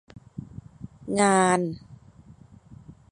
งาน